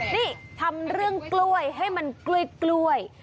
นี่ทำเรื่องกล้วยให้มันกล้วย